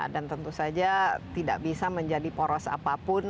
dan tentu saja tidak bisa menjadi poros apapun